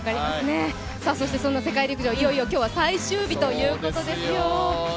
そしてそんな世界陸上今日は最終日ということですよ。